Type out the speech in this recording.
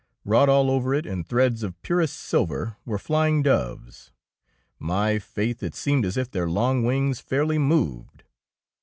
Wrought all over it in threads of purest silver were flying doves. My faith, it seemeth as if their long wings fairly moved